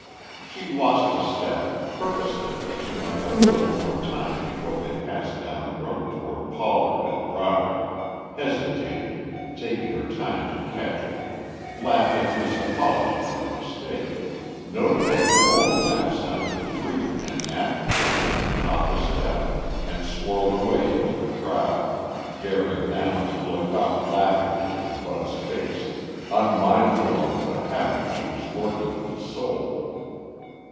She lost the step, purposely that she might have a little more time before they pass down the room toward Pollard and Broderick, hesitated, taking her time to catch it, laughed at his apology for the mistake, noted that her own laugh sounded free and natural, caught the step, and swirled away into the crowd, daring now to look up laughingly into Bud's face unmindful of the havoc she was working in his soul.